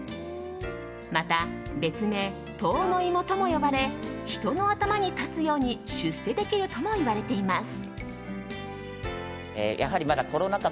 また、別名、頭の芋とも呼ばれ人の頭に立つように出世できるともいわれています。